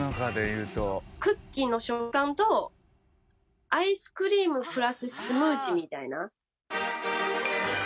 クッキーの食感とアイスクリームプラススムージーみたいな。